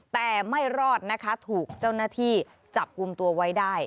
แต่ไม่รอดนะคะถูกเจ้าหน้าที่จับกลุ่มตัวไว้ได้